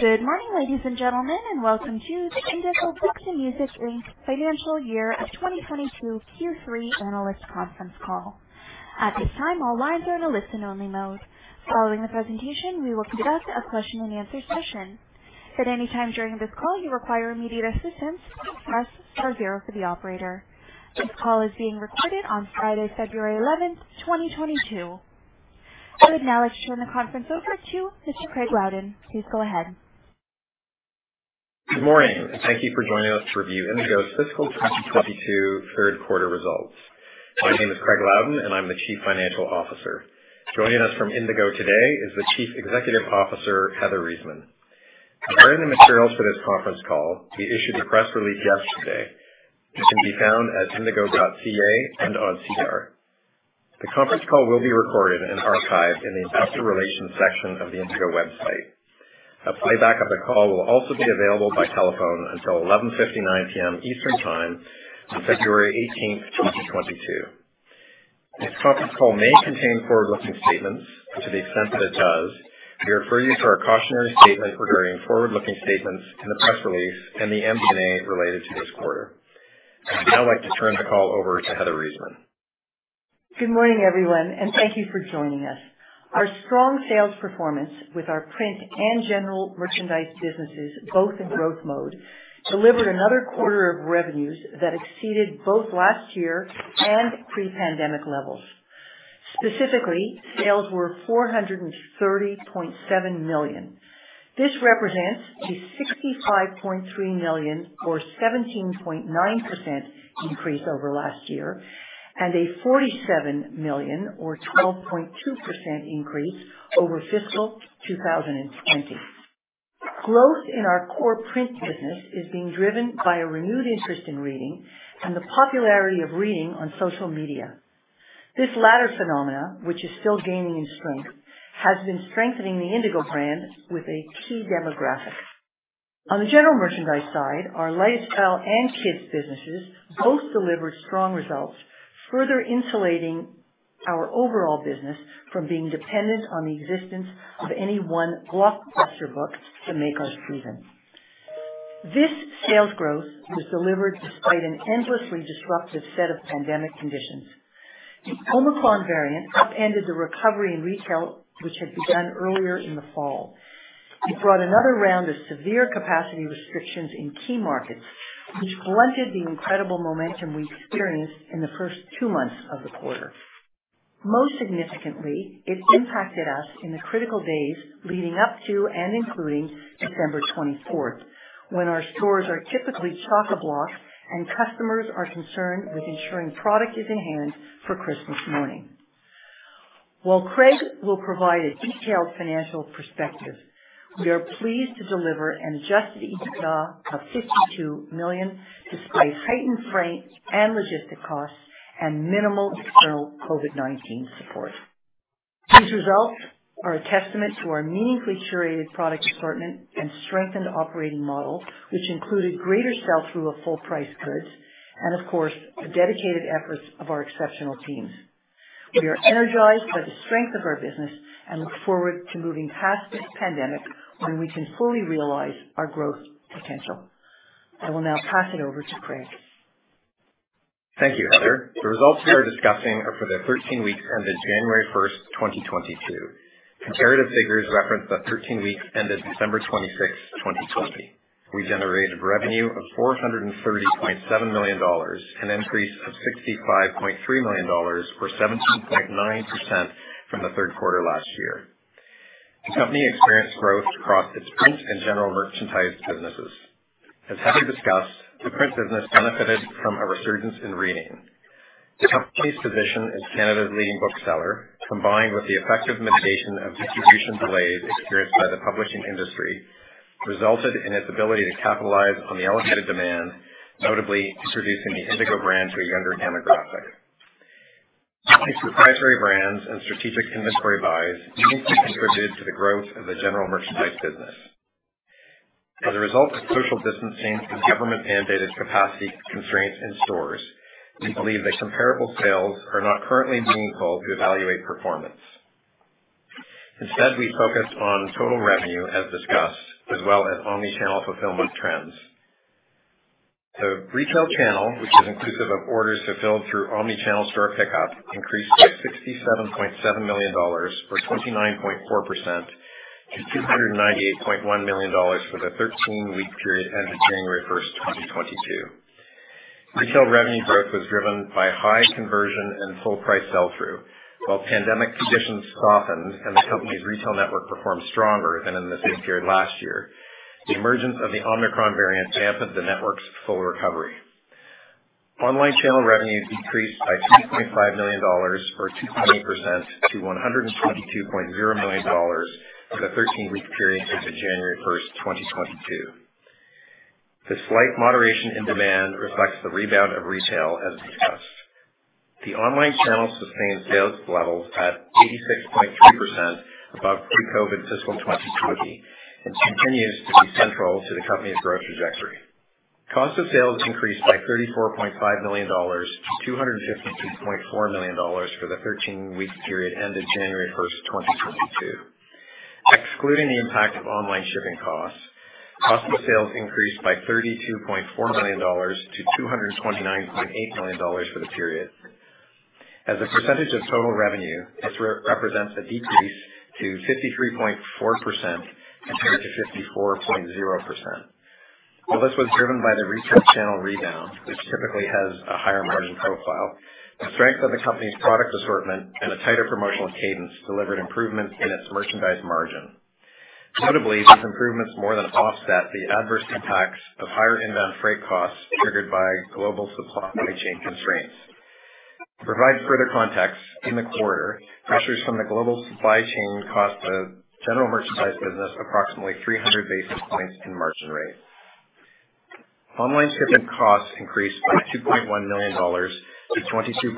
Good morning, ladies and gentlemen, and welcome to the Indigo Books & Music Inc. FY 2022 Q3 Analyst Conference Call. At this time, all lines are in a listen-only mode. Following the presentation, we will conduct a question-and-answer session. At any time during this call you require immediate assistance, press star zero for the operator. This call is being recorded on Friday, February 11th, 2022. I would now like to turn the conference over to Mr. Craig Loudon. Please go ahead. Good morning, and thank you for joining us to review Indigo's fiscal 2022 third quarter results. My name is Craig Loudon and I'm the Chief Financial Officer. Joining us from Indigo today is the Chief Executive Officer, Heather Reisman. Preparing the materials for this conference call, we issued a press release yesterday, which can be found at indigo.ca and on SEDAR. The conference call will be recorded and archived in the investor relations section of the Indigo website. A playback of the call will also be available by telephone until 11:59 P.M. Eastern time on February 18th, 2022. This conference call may contain forward-looking statements. To the extent that it does, we refer you to our cautionary statement regarding forward-looking statements in the press release and the MD&A related to this quarter. I'd now like to turn the call over to Heather Reisman. Good morning, everyone, and thank you for joining us. Our strong sales performance with our print and general merchandise businesses both in growth mode delivered another quarter of revenues that exceeded both last year and pre-pandemic levels. Specifically, sales were 430.7 million. This represents a 65.3 million or 17.9% increase over last year, and a 47 million or 12.2% increase over fiscal 2020. Growth in our core print business is being driven by a renewed interest in reading and the popularity of reading on social media. This latter phenomenon, which is still gaining in strength, has been strengthening the Indigo brand with a key demographic. On the general merchandise side, our lifestyle and kids businesses both delivered strong results, further insulating our overall business from being dependent on the existence of any one blockbuster book to make our season. This sales growth was delivered despite an endlessly disruptive set of pandemic conditions. The Omicron variant upended the recovery in retail, which had begun earlier in the fall. It brought another round of severe capacity restrictions in key markets, which blunted the incredible momentum we experienced in the first two months of the quarter. Most significantly, it impacted us in the critical days leading up to and including December 24th, when our stores are typically chock-a-block and customers are concerned with ensuring product is in hand for Christmas morning. While Craig will provide a detailed financial perspective, we are pleased to deliver an adjusted EBITDA of 52 million, despite heightened freight and logistic costs and minimal external COVID-19 support. These results are a testament to our meaningfully curated product assortment and strengthened operating model, which included greater sell-through of full price goods and of course, the dedicated efforts of our exceptional teams. We are energized by the strength of our business and look forward to moving past this pandemic when we can fully realize our growth potential. I will now pass it over to Craig. Thank you, Heather. The results we are discussing are for the 13-week ended January 1st, 2022. Comparative figures reference the 13-week ended December 26th, 2020. We generated revenue of 430.7 million dollars, an increase of 65.3 million dollars or 17.9% from the third quarter last year. The company experienced growth across its print and general merchandise businesses. As Heather discussed, the print business benefited from a resurgence in reading. The company's position as Canada's leading bookseller, combined with the effective mitigation of distribution delays experienced by the publishing industry, resulted in its ability to capitalize on the elevated demand, notably introducing the Indigo brand to a younger demographic. Its proprietary brands and strategic inventory buys meaningfully contributed to the growth of the general merchandise business. As a result of social distancing and government-mandated capacity constraints in stores, we believe that comparable sales are not currently meaningful to evaluate performance. Instead, we focused on total revenue as discussed, as well as omnichannel fulfillment trends. The retail channel, which is inclusive of orders fulfilled through omnichannel store pickup, increased by 67.7 million dollars or 29.4% to 298.1 million dollars for the 13-week period ended January 1st, 2022. Retail revenue growth was driven by high conversion and full price sell-through. While pandemic conditions softened and the company's retail network performed stronger than in the same period last year, the emergence of the Omicron variant hampered the network's full recovery. Online channel revenue decreased by 2.5 million dollars or 2.8% to 122.0 million dollars for the 13-week period ended January 1st, 2022. The slight moderation in demand reflects the rebound of retail as discussed. The online channel sustained sales levels at 86.3% above pre-COVID fiscal 2020 and continues to be central to the company's growth trajectory. Cost of sales increased by 34.5 million dollars to 252.4 million dollars for the 13-week period ended January 1st, 2022. Excluding the impact of online shipping costs, cost of sales increased by 32.4 million dollars to 229.8 million dollars for the period. As a percentage of total revenue, this represents a decrease to 53.4% compared to 54.0%. While this was driven by the retail channel rebound, which typically has a higher margin profile, the strength of the company's product assortment and a tighter promotional cadence delivered improvements in its merchandise margin. Notably, these improvements more than offset the adverse impacts of higher inbound freight costs triggered by global supply chain constraints. To provide further context, in the quarter, pressures from the global supply chain cost the general merchandise business approximately 300 basis points in margin rate. Online shipping costs increased by 2.1 million dollars to 22.6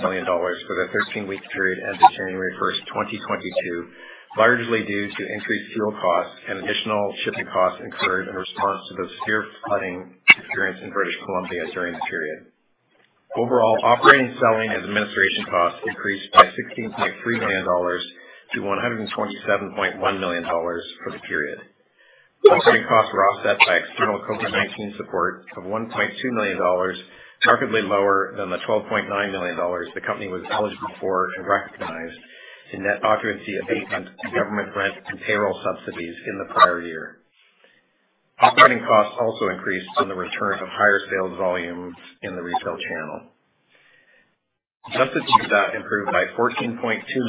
million dollars for the 13-week period ended January 1st, 2022, largely due to increased fuel costs and additional shipping costs incurred in response to the severe flooding experienced in British Columbia during the period. Overall, operating, selling, and administration costs increased by 16.3 million dollars to 127.1 million dollars for the period. Operating costs were offset by external COVID-19 support of CAD 1.2 million, markedly lower than the CAD 12.9 million the company was eligible for and recognized in net occupancy abatement and government rent and payroll subsidies in the prior year. Operating costs also increased from the return of higher sales volumes in the retail channel. Adjusted EBITDA improved by 14.2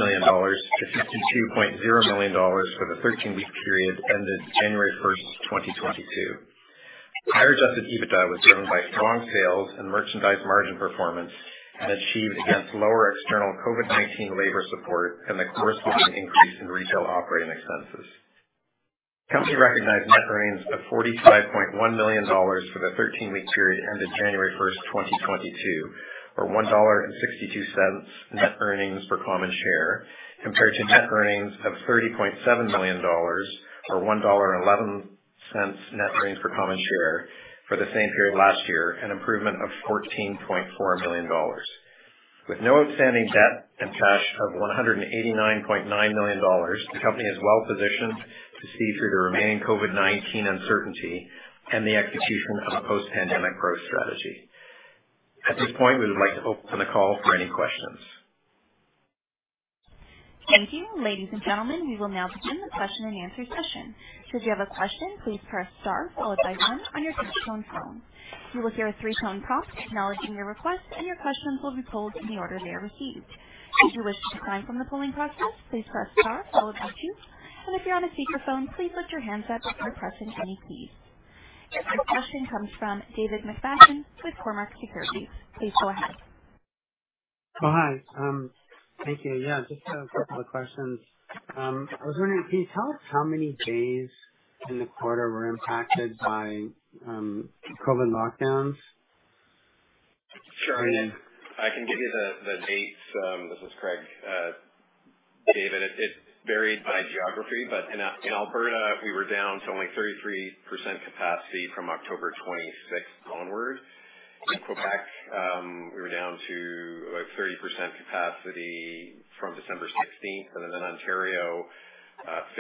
million dollars to 52.0 million dollars for the thirteen-week period ended January 1st, 2022. Higher adjusted EBITDA was driven by strong sales and merchandise margin performance and achieved against lower external COVID-19 labor support and the corresponding increase in retail operating expenses. Company recognized net earnings of 45.1 million dollars for the 13-week period ended January 1st, 2022, or 1.62 dollar net earnings per common share, compared to net earnings of 30.7 million dollars or 1.11 dollar net earnings per common share for the same period last year, an improvement of 14.4 million dollars. With no outstanding debt and cash of 189.9 million dollars, the company is well-positioned to see through the remaining COVID-19 uncertainty and the execution of a post-pandemic growth strategy. At this point, we would like to open the call for any questions. Thank you. Ladies and gentlemen, we will now begin the question-and-answer session. If you have a question, please press star followed by one on your touchtone phone. You will hear a three-tone prompt acknowledging your request, and your question will be pulled in the order they are received. If you wish to withdraw from the queue, please press star followed by two. If you're on a speakerphone, please lift your handset before pressing any keys. Your first question comes from David McFadgen with Cormark Securities. Please go ahead. Oh, hi. Thank you. Yeah, just a couple of questions. I was wondering, can you tell us how many days in the quarter were impacted by COVID lockdowns? Sure. I can give you the dates. This is Craig. David, it varied by geography, but in Alberta, we were down to only 33% capacity from October 26th, onwards. In Quebec, we were down to, like, 30% capacity from December 16th, and then in Ontario, 50%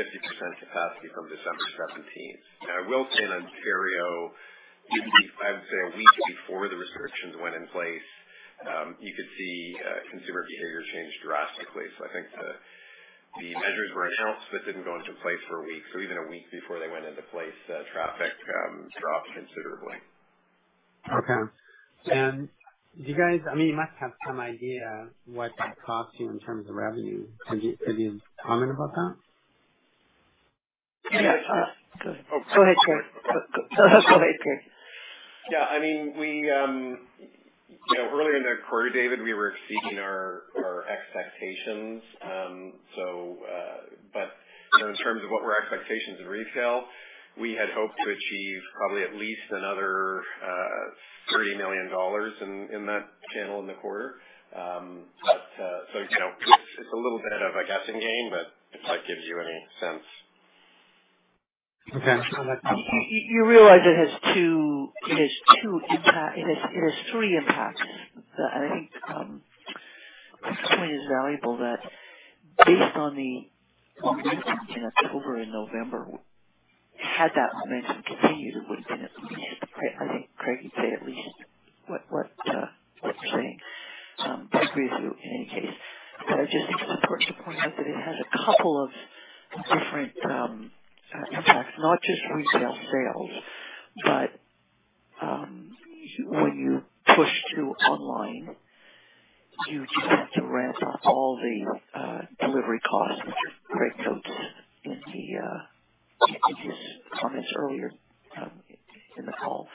capacity from December 17th. I will say in Ontario, I would say a week before the restrictions went in place, you could see consumer behavior change drastically. I think the measures were announced, but didn't go into place for a week. Even a week before they went into place, traffic dropped considerably. Okay. Do you guys, I mean, you must have some idea what that cost you in terms of revenue. Could you comment about that? Yeah. Go ahead, Craig. Go ahead, Craig. Yeah, I mean, we, you know, early in the quarter, David, we were exceeding our expectations. In terms of what were our expectations in retail, we had hoped to achieve probably at least another 30 million dollars in that channel in the quarter. It's a little bit of a guessing game, but if that gives you any sense. Okay. You realize it has two impacts. It has three impacts. I think this point is valuable that based on the momentum in October and November, had that momentum continued, it would have been at least, Craig. I think Craig would say at least what you're saying. I agree with you in any case, but I just think it's important to point out that it has a couple of different impacts, not just retail sales, but when you push to online, you have to ramp up all the delivery costs that Craig notes in his comments earlier in the call.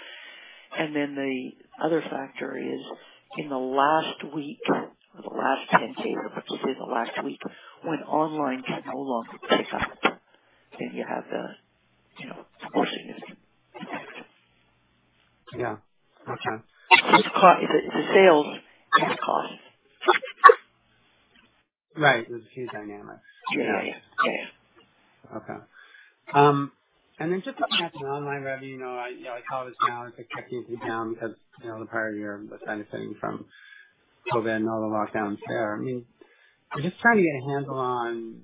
The other factor is in the last week or the last 10 days, but particularly the last week when online can no longer pick up, then you have the, you know, store shipping impact. Yeah. Okay. It's a sales and a cost impact. Right. There's a few dynamics. Yeah, yeah. Okay. Just looking at the online revenue, you know, I saw it was down. It's like technically down because, you know, the prior year benefiting from COVID and all the lockdowns there. I mean, I'm just trying to get a handle on,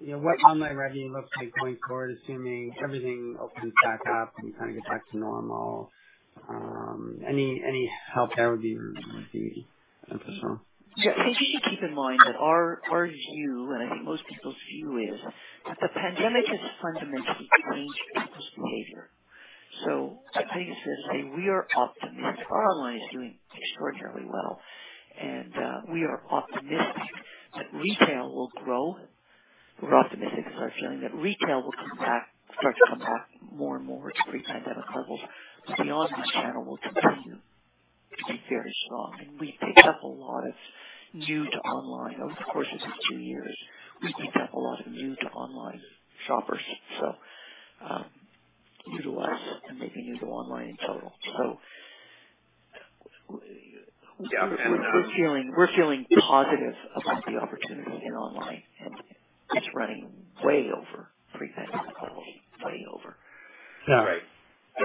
you know, what online revenue looks like going forward, assuming everything opens back up and kind of get back to normal. Any help there would be helpful. Yeah. I think you should keep in mind that our view, and I think most people's view is that the pandemic has fundamentally changed people's behavior. I think it's fair to say we are optimistic. Our online is doing extraordinarily well, and we are optimistic that retail will grow. We're optimistic because our feeling that retail will come back more and more to pre-pandemic levels, but the online channel will continue to be very strong. We picked up a lot of new to online. Over the course of these two years, we picked up a lot of new to online shoppers, new to us and maybe new to online in total. We're feeling positive about the opportunity in online, and it's running way over pre-pandemic levels. Way over. Right.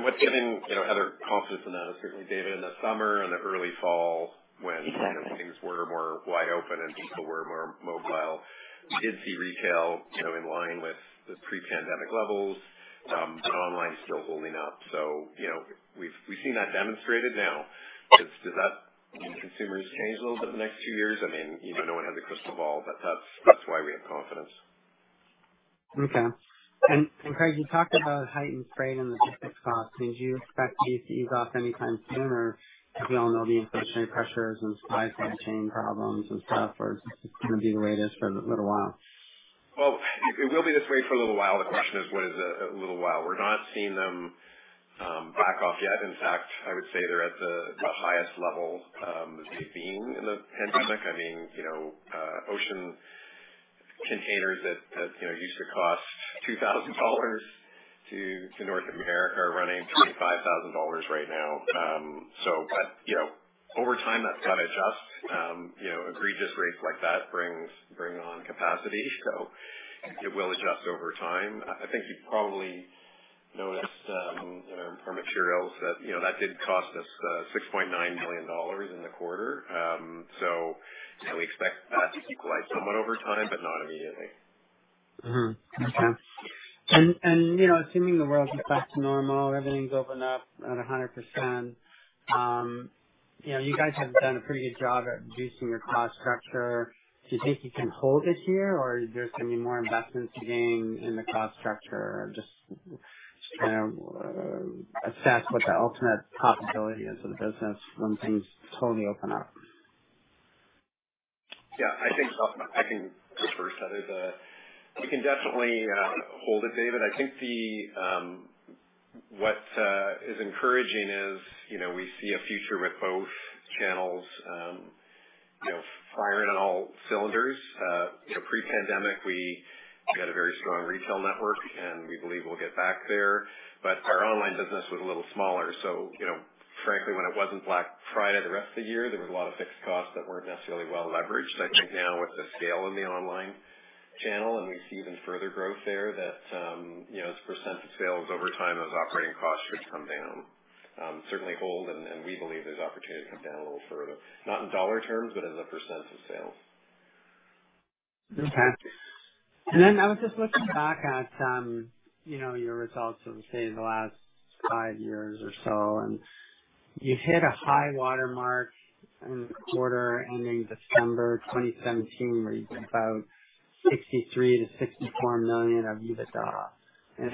What's given, you know, Heather confidence in that is certainly, David, in the summer and the early fall when- Exactly. Things were more wide open and people were more mobile, we did see retail, you know, in line with the pre-pandemic levels. But online is still holding up. You know, we've seen that demonstrated now. Do consumers change a little bit in the next two years? I mean, you know, no one has a crystal ball, but that's why we have confidence. Okay. Craig, you talked about heightened freight and logistics costs. Do you expect these to ease off anytime soon? Or as we all know, the inflationary pressures and supply chain problems and stuff, or is this gonna be the way it is for a little while? Well, it will be this way for a little while. The question is, what is a little while? We're not seeing them back off yet. In fact, I would say they're at the highest level they've been in the pandemic. I mean, you know, ocean containers that you know used to cost 2,000 dollars to North America are running 25,000 dollars right now. But you know, over time, that's gotta adjust. You know, egregious rates like that bring on capacity, so it will adjust over time. I think you probably noticed, you know, from materials that you know that did cost us 6.9 million dollars in the quarter. So, you know, we expect that to equalize somewhat over time, but not immediately. Mm-hmm. Okay. You know, assuming the world gets back to normal, everything's opened up at 100%, you know, you guys have done a pretty good job at reducing your cost structure. Do you think you can hold it here, or is there gonna be more investments to gain in the cost structure? Or just trying to assess what the ultimate possibility is for the business when things totally open up. Yeah. I think so. I can go first. We can definitely hold it, David. I think what is encouraging is, you know, we see a future with both channels, you know, firing on all cylinders. You know, pre-pandemic, we had a very strong retail network, and we believe we'll get back there. Our online business was a little smaller. You know, frankly, when it wasn't Black Friday, the rest of the year, there was a lot of fixed costs that weren't necessarily well leveraged. I think now with the scale in the online channel, and we see even further growth there that, you know, as a percent of sales over time, those operating costs should come down. Certainly hold, and we believe there's opportunity to come down a little further. Not in dollar terms, but as a percent of sales. I was just looking back at, you know, your results over, say, the last five years or so, and you hit a high water mark in the quarter ending December 2017, where you did about 63 million-64 million of EBITDA.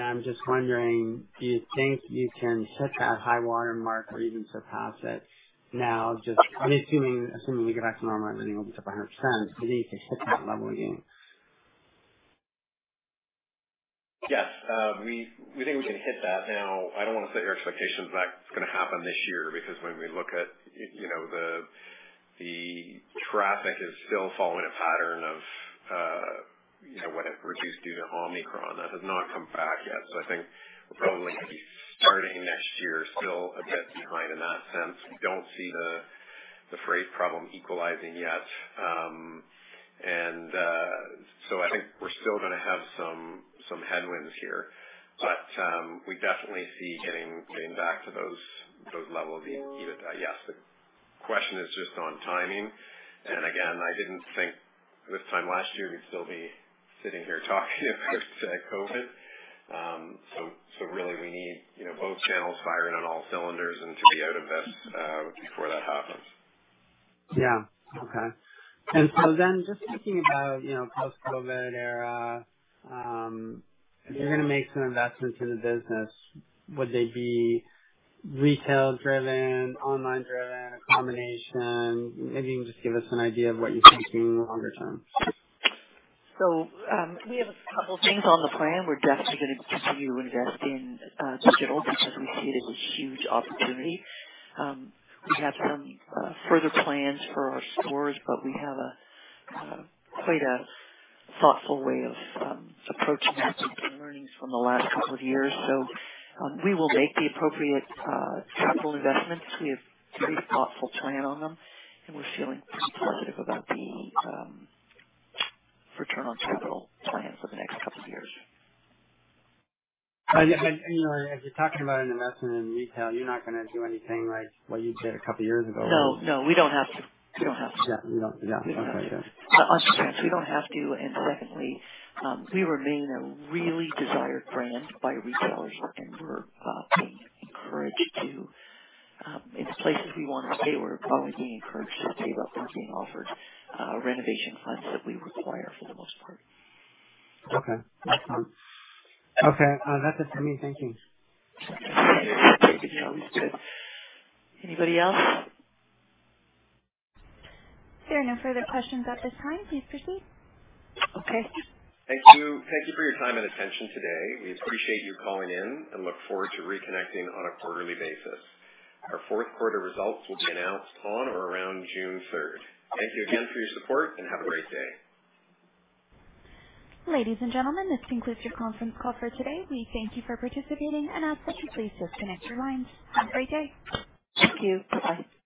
I'm just wondering, do you think you can hit that high water mark or even surpass it now, just I'm assuming we get back to normal and everything opens up 100%, do you think you can hit that level again? Yes. We think we can hit that. Now, I don't want to set your expectations that's gonna happen this year because when we look at you know the traffic is still following a pattern of you know what it reduced due to Omicron. That has not come back yet. I think we'll probably be starting next year still a bit behind in that sense. We don't see the freight problem equalizing yet. I think we're still gonna have some headwinds here. We definitely see getting back to those levels of EBITDA, yes. The question is just on timing. Again, I didn't think this time last year we'd still be sitting here talking about COVID. Really we need, you know, both channels firing on all cylinders and to be out of this before that happens. Yeah. Okay. Just thinking about, you know, post-COVID era, if you're gonna make some investments in the business, would they be retail driven, online driven, a combination? Maybe you can just give us an idea of what you're thinking longer term. We have a couple things on the plan. We're definitely gonna continue to invest in digital because we see it as a huge opportunity. We have some further plans for our stores, but we have a quite a thoughtful way of approaching that based on learnings from the last couple of years. We will make the appropriate capital investments. We have a really thoughtful plan on them, and we're feeling pretty positive about the return on capital plan for the next couple of years. You know, as you're talking about an investment in retail, you're not gonna do anything like what you did a couple of years ago. No, no, we don't have to. Yeah, you don't. Yeah. We don't have to. I'll stress, we don't have to, and secondly, we remain a really desired brand by retailers, and we're being encouraged to. In the places we wanna stay, we're probably being encouraged to stay, but we're being offered renovation funds that we require for the most part. Okay. That's fine. Okay. That's it for me. Thank you. Thank you. You always do. Anybody else? There are no further questions at this time. Please proceed. Okay. Thank you. Thank you for your time and attention today. We appreciate you calling in and look forward to reconnecting on a quarterly basis. Our fourth quarter results will be announced on or around June 3rd. Thank you again for your support, and have a great day. Ladies and gentlemen, this concludes your conference call for today. We thank you for participating and ask that you please disconnect your lines. Have a great day. Thank you. Bye.